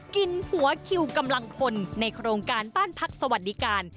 กินหัวคิวกำลังพลในโครงการบ้านพักสวัสดิการ